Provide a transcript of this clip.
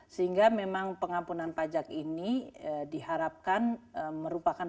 sehingga memang pengampunan pajak ini yang dianggap sebagai hal yang sangat berat itu memang tidak terlalu berharga